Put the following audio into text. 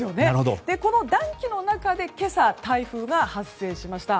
この暖気の中で今朝台風が発生しました。